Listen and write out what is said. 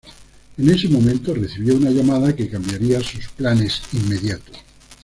En ese momento recibió una llamada que cambiaría sus planes inmediatos.